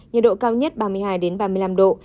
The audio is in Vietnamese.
nhiệt độ cao nhất ba mươi hai ba mươi năm độ